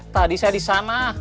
tadi saya di sana